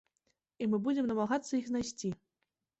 І мы будзем намагацца іх знайсці.